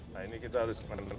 nah ini kita harus mengenal